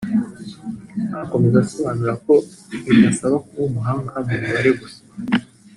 Akomeza asobanura ko bidasaba kuba umuhanga mu mibare gusa